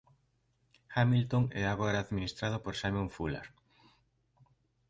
Hamilton é agora administrado por Simon Fuller.